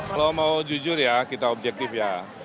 kalau mau jujur ya kita objektif ya